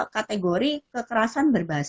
kategori kekerasan berbasis